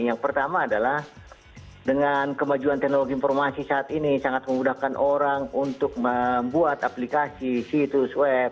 yang pertama adalah dengan kemajuan teknologi informasi saat ini sangat memudahkan orang untuk membuat aplikasi situs web